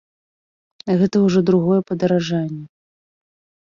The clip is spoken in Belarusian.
Гэта ўжо другое падаражанне.